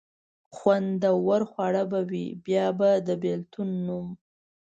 خوندور خواړه به وي، بیا به د بېلتون نوم.